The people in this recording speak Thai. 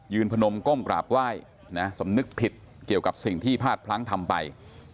พนมก้มกราบไหว้นะสำนึกผิดเกี่ยวกับสิ่งที่พลาดพลั้งทำไป